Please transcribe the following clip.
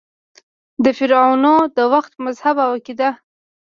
د فرعنوو د وخت مذهب او عقیده :